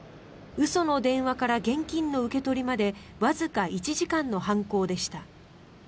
嘘の電話から現金の受け取りまでわずか１時間の犯行でした。